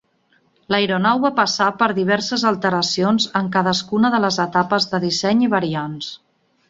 L'aeronau va passar per diverses alteracions en cadascuna de les etapes de disseny i variants.